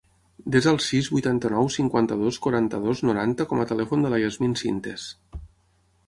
Desa el sis, vuitanta-nou, cinquanta-dos, quaranta-dos, noranta com a telèfon de la Yasmine Sintes.